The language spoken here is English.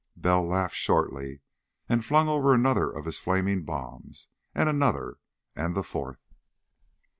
Bell laughed shortly, and flung over another of his flaming bombs, and another, and the fourth....